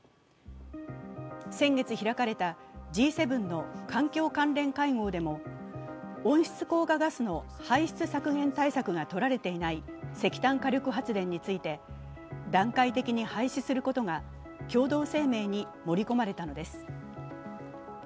先月開かれたＧ７の環境関連会合でも温室効果ガスの排出削減対策がとられていない石炭火力発電について段階的に廃止することが共同声明に盛り込まれたのです。